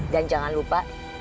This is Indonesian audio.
dan jangan lupa